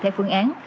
theo phương án